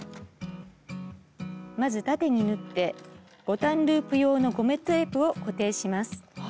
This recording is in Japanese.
まず縦に縫ってボタンループ用のゴムテープを固定します。